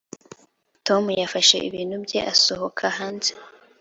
tom yafashe ibintu bye asohoka hanze.